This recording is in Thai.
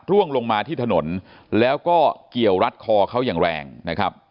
ร่วงลงมาที่ถนนแล้วก็เกี่ยวรัดคอเขาอย่างแรงนะครับ